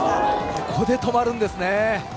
ここで止まるんですね。